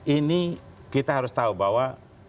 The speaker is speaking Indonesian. ini kita harus tahu bahwa